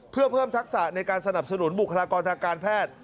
เพื่อเพิ่มทักษะในการสนับสนุนบุคลากรทางการแพทย์